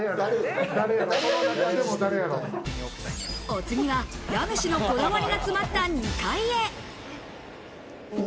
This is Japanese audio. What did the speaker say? お次は家主のこだわりが詰まった２階へ。